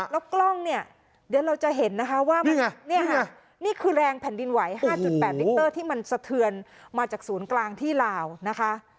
แล้วกล้องเนี่ยเดี๋ยวเราจะเห็นนะคะว่าเนี่ยค่ะนี่คือแรงแผ่นดินไหว๕๘มิเตอร์ที่มันสะเทือนมาจากศูนย์กลางที่ลาวนะคะ